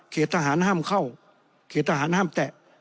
ทหารห้ามเข้าเขตทหารห้ามแตะ